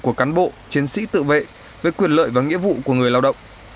của cán bộ chiến sĩ tự vệ với quyền lợi và nghĩa vụ của người lao động